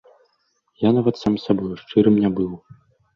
Я нават сам з сабою шчырым не быў.